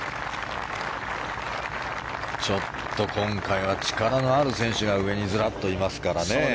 ちょっと今回は力のある選手が上にずらっといますからね。